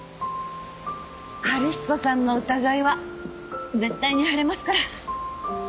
春彦さんの疑いは絶対に晴れますから。